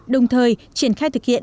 đồng thời triển khai thực hiện